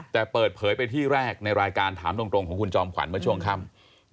แต่เปิดเผยไปที่แรกในรายการถามตรงของคุณจอมขวัญเมื่อช่วงค่ำ